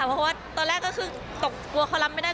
เพราะว่าตอนแรกก็คือตกกลัวเขารับไม่ได้